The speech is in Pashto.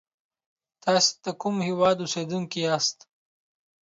تاسی دکوم هیواد اوسیدونکی یاست